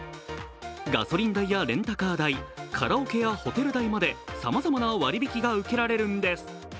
ガソリン代やレンタカー代、カラオケやホテル代までさまざまな割引が受けられるんです。